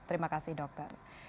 terima kasih dokter